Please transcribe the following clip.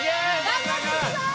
頑張ってください！